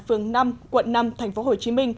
phường năm quận năm tp hcm